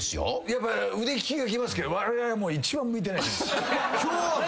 やっぱ腕利きが来ますけどわれわれは一番向いてないです。